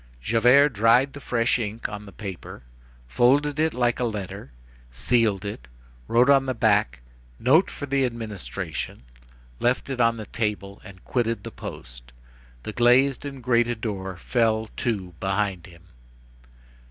Javert dried the fresh ink on the paper, folded it like a letter, sealed it, wrote on the back: Note for the administration, left it on the table, and quitted the post. The glazed and grated door fell to behind him.